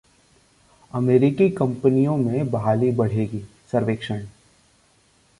अमेरिकी कंपनियों में बहाली बढ़ेगी: सर्वेक्षण